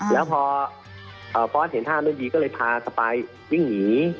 แล้วพอฟอร์สเห็นท่าไม่ดีก็เลยพาสปายวิ่งหนี